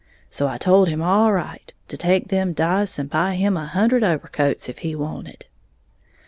So I told him all right, to take them dice and buy him a hundred overcoats if he wanted!"